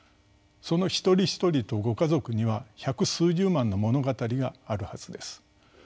その一人一人とご家族には百数十万の物語があるはずです。